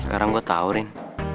sekarang gue tau rin